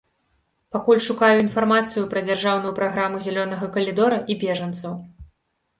Пакуль шукаю інфармацыю пра дзяржаўную праграму зялёнага калідора і бежанцаў.